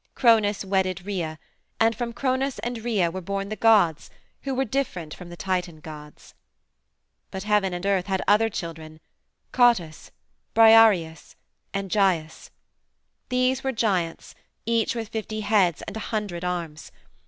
Cronos wedded Rhea, and from Cronos and Rhea were born the gods who were different from the Titan gods. But Heaven and Earth had other children Cottus, Briareus, and Gyes. These were giants, each with fifty heads and a hundred arms.